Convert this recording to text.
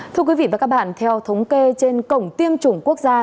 thưa quý vị và các bạn theo thống kê trên cổng tiêm chủng quốc gia